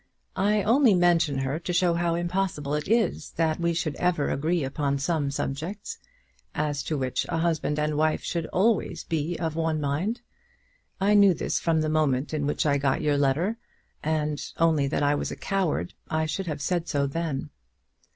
"I only mention her to show how impossible it is that we should ever agree upon some subjects, as to which a husband and wife should always be of one mind. I knew this from the moment in which I got your letter, and only that I was a coward I should have said so then."